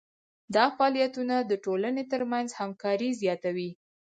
دا فعالیتونه د ټولنې ترمنځ همکاري زیاتوي.